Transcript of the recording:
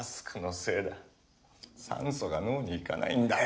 酸素が脳に行かないんだよ！